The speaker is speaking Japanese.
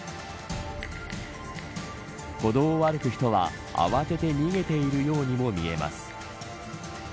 歩道を歩く人は慌てて逃げているようにも見えます。